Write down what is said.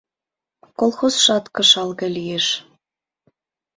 Колхозшат кышал гай лиеш...